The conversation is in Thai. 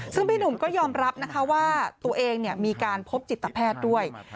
ซึ่งพี่หนุ่มก็ยอมรับนะคะว่าตัวเองมีการพบจิตแพทย์ด้วย